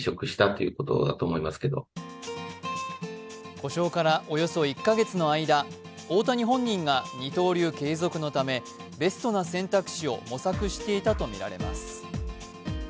故障からおよそ１か月の間、大谷本人が二刀流継続のためベストな選択肢を模索していたとみられます。